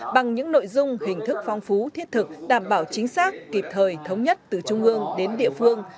bằng những nội dung hình thức phong phú thiết thực đảm bảo chính xác kịp thời thống nhất từ trung ương đến địa phương